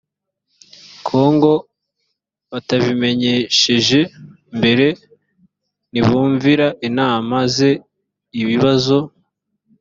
kongo batabimenyesheje mbere ntibumvira inama ze ibibazo